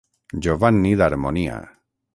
Giovanni d'harmonia.